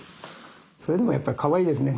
それでもやっぱかわいいですね